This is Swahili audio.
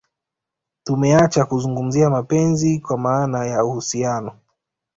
Tumeacha kuzungumzia mapenzi kwa maana ya uhusiano